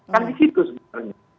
kan di situ sebenarnya